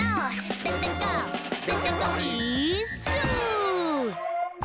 「デテコデテコイーッス」